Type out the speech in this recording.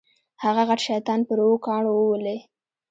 هغه غټ شیطان پر اوو کاڼو وولې.